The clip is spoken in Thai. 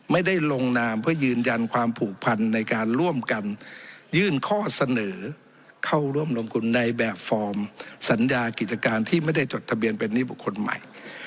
ไม่ได้ลงนามเพื่อยืนยันความผูกพันในการร่วมกันยื่นข้อเสนอเข้าร่วมลงทุนในแบบฟอร์มสัญญากิจการที่ไม่ได้จดทะเบียนเป็นนิบุคคลใหม่